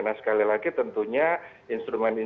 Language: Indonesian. nah sekali lagi tentunya instrumen instrumen itu sudah clear